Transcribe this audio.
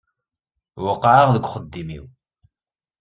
Weqɛeɣ deg uxeddim-iw.